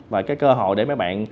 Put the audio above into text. và cái cơ hội để các bạn